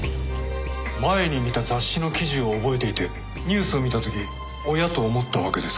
前に見た雑誌の記事を覚えていてニュースを見た時おや？と思ったわけですか。